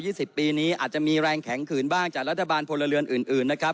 สิบปีนี้อาจจะมีแรงแข็งขืนบ้างจากรัฐบาลพลเรือนอื่นอื่นนะครับ